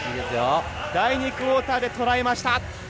第２クオーターで捉えました。